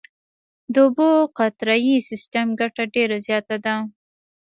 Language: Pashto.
د اوبو د قطرهیي سیستم ګټه ډېره زیاته ده.